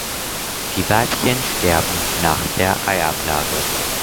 Die Weibchen sterben nach der Eiablage.